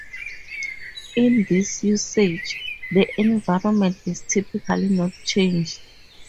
In this usage, the environment is typically not changed.